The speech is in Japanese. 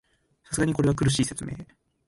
さすがにこれは苦しい説明